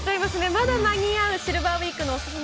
まだ間に合うシルバーウィークのお勧め